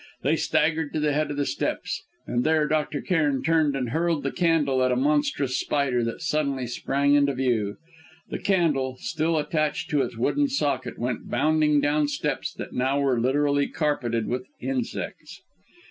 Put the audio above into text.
They staggered to the head of the steps, and there Dr. Cairn turned and hurled the candle at a monstrous spider that suddenly sprang into view. The candle, still attached to its wooden socket, went bounding down steps that now were literally carpeted with insects.